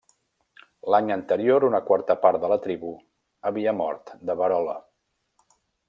L'any anterior una quarta part de la tribu havia mort de verola.